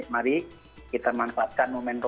mari kita manfaatkan momentum